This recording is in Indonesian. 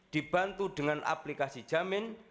dibantu dengan aplikasi jamin